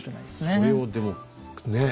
それをでもねえ？